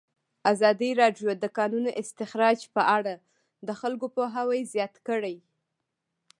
ازادي راډیو د د کانونو استخراج په اړه د خلکو پوهاوی زیات کړی.